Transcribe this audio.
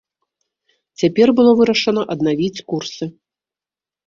Цяпер было вырашана аднавіць курсы.